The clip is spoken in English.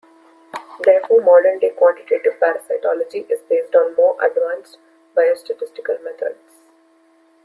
Therefore, modern day quantitative parasitology is based on more advanced biostatistical methods.